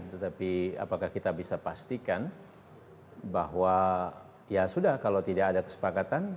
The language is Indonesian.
tetapi apakah kita bisa pastikan bahwa ya sudah kalau tidak ada kesepakatan